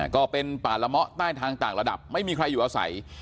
ก็เป็นป่าละเมาะใต้ทางต่างระดับไม่มีใครอยู่อาศัย